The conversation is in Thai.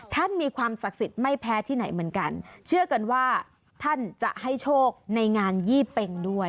ท่านมีความศักดิ์สิทธิ์ไม่แพ้ที่ไหนเหมือนกันเชื่อกันว่าท่านจะให้โชคในงานยี่เป็งด้วย